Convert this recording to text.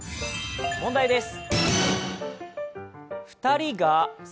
問題です。